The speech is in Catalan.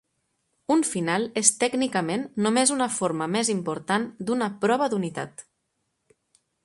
Un final és tècnicament només una forma més important d'una "prova d'unitat".